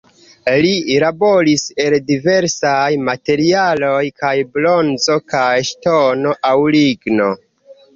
Li laboris el diversaj materialoj, kaj bronzo kaj ŝtono aŭ ligno.